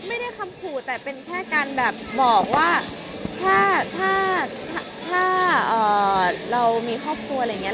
ไม่ได้คำขู่แต่เป็นแค่การแบบบอกว่าถ้าถ้าเรามีครอบครัวอะไรอย่างนี้